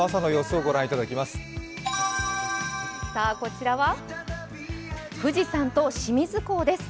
こちらは富士山と清水港です。